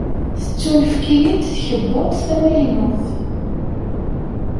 Tettunefk-iyi-d tkebbuḍt tamaynut.